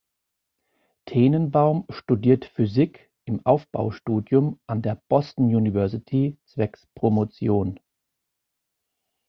Tenenbaum studiert Physik im Aufbaustudium an der Boston University zwecks Promotion.